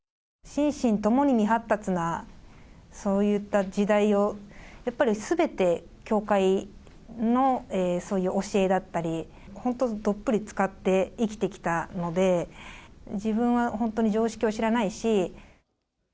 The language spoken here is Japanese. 心身ともに未発達なそういった時代を、やっぱりすべて、教会のそういう教えだったり、本当、どっぷりつかって生きてきたので、自分は本当に常識を知らないし。